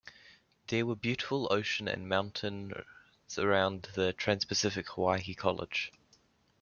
There were beautiful ocean and mountains around TransPacific Hawaii College.